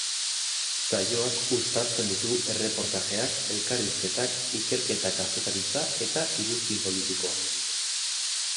Saioak uztartzen ditu erreportajeak, elkarrizketak, ikerketa-kazetaritza eta iruzkin politikoa.